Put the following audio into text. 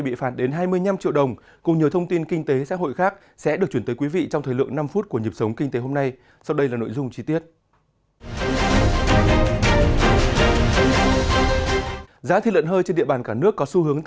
giá thịt lợn hơi trên địa bàn cả nước có xu hướng tăng nhẹ so với tuần trước